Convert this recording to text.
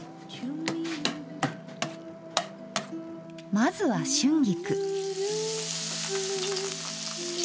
まずは春菊。